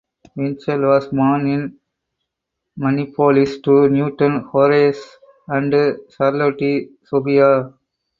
Winchell was born in Minneapolis to Newton Horace and Charlotte Sophia.